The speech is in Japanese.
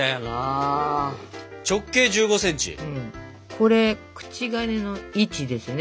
これ口金の位置ですね。